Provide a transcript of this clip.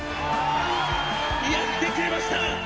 「やってくれました！！